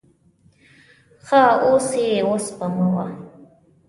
ښه، اوس یی وسپموه